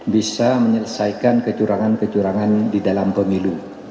bisa menyelesaikan kecurangan kecurangan di dalam pemilu